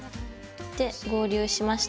で合流しました。